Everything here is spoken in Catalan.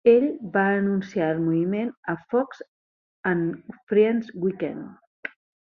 Ell va anunciar el moviment a "Fox and Friends Weekend".